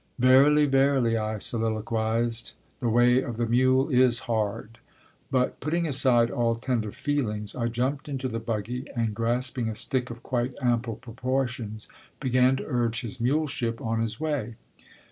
"Verily, verily," I soliloquized, "the way of the mule is hard." But, putting aside all tender feelings, I jumped into the buggy and grasping a stick of quite ample proportions began to urge his muleship on his way.